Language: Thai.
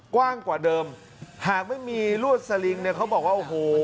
กว้างกว่าเดิมหากไม่มีลวดสลิงเนี่ยเขาบอกว่าโอ้โห